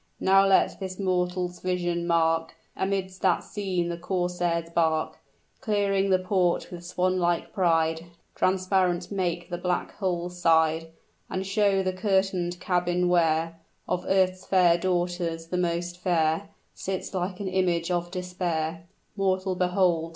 Now let this mortal's vision mark Amidst that scene the corsair's bark, Clearing the port with swan like pride; Transparent make the black hull's side, And show the curtain'd cabin, where Of earth's fair daughters the most fair Sits like an image of despair, Mortal, behold!